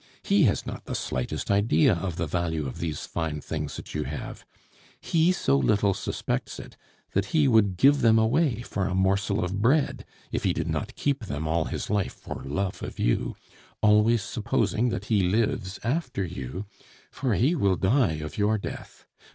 He has not the slightest idea of the value of these fine things that you have! He so little suspects it, that he would give them away for a morsel of bread if he did not keep them all his life for love of you, always supposing that he lives after you, for he will die of your death.